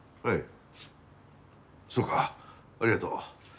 そうかありがとう。